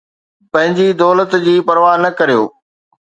پنهنجي دولت جي پرواهه نه ڪريو